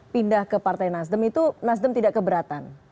pindah ke partai nasdem itu nasdem tidak keberatan